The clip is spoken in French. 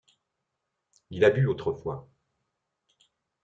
Il a bu autrefois.